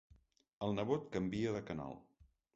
El nebot canvia de canal.